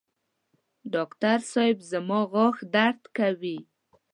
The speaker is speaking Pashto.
ډاکټر صېب زما غاښ درد کوي